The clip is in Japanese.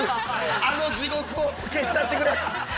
あの地獄を消し去ってくれ。